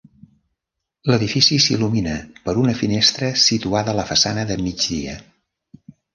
L'edifici s'il·lumina per una finestra situada a la façana de migdia.